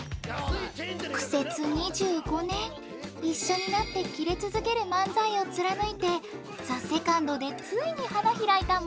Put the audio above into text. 苦節２５年一緒になってキレ続ける漫才を貫いて「ＴＨＥＳＥＣＯＮＤ」でついに花開いたマシンガンズさん。